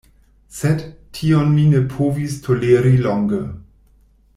Sed, tion mi ne povis toleri longe.